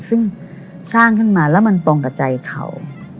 ซึ่งสร้างขึ้นมาแล้วมันตรงกับใจเขา